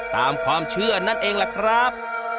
ตามความเชื่อนั่นเองล่ะครับ